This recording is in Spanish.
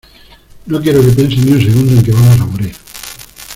no quiero que piensen ni un segundo en que vamos a morir.